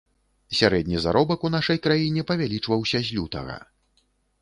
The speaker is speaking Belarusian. Сярэдні заробак у нашай краіне павялічваўся з лютага.